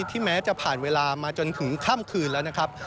แม้จะผ่านเวลามาจนถึงค่ำคืนแล้วนะครับ